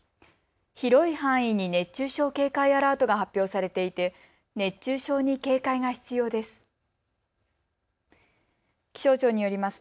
広い範囲に熱中症警戒アラートが発表されていて熱中症に警戒が必要です。